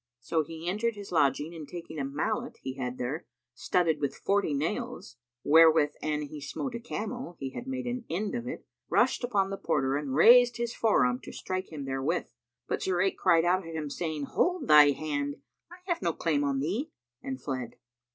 So he entered his lodging and taking a mallet he had there, studded with forty nails (wherewith an he smote a camel, he had made an end of it), rushed upon the porter and raised his forearm to strike him therewith; but Zurayk cried out at him, saying, "Hold thy hand! I have no claim on thee," and fled.